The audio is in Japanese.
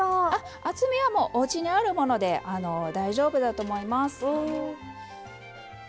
厚みはおうちにあるもので大丈夫だと思います。